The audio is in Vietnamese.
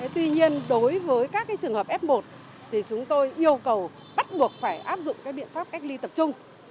tuy nhiên đối với các trường hợp f một thì chúng tôi yêu cầu bắt buộc phải áp dụng các biện pháp cách ly tập trung